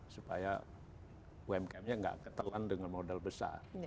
supaya umkm nya tidak ketelan dengan modal besar